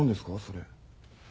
それ。